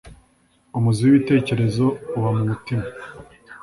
umuzi w'ibitekerezo uba mu mutima